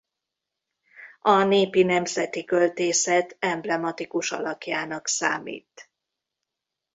A népi-nemzeti költészet emblematikus alakjának számít.